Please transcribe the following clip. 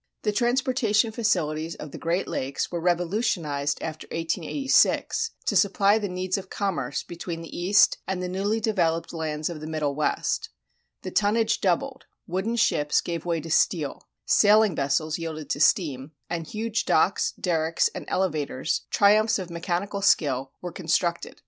The transportation facilities of the Great Lakes were revolutionized after 1886, to supply the needs of commerce between the East and the newly developed lands of the Middle West; the tonnage doubled; wooden ships gave way to steel; sailing vessels yielded to steam; and huge docks, derricks, and elevators, triumphs of mechanical skill, were constructed.